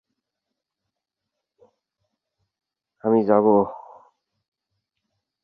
কিছু অভ্যাস "প্রধান অভ্যাস" হিসেবে পরিচিত এবং তা অন্যান্য অভ্যাস গঠনকে প্রভাবিত করে।